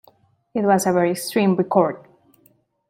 It was a very extreme record.